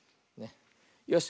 よし。